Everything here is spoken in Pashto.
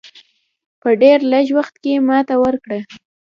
په ډېر لږ وخت کې ماته ورکړه.